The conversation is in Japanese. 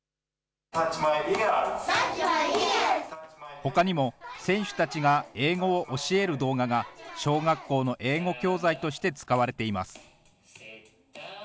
ほかにも、選手たちが英語を教える動画が、小学校の英語教材として使われています。